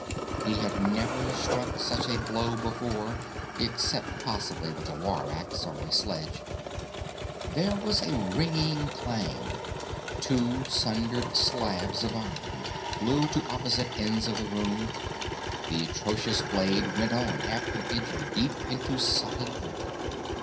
He had never struck such a blow before, except possibly with a war axe or a sledge. There was a ringing clang, two sundered slabs of iron flew to opposite ends of the room, the atrocious blade went on, half an inch deep into solid oak.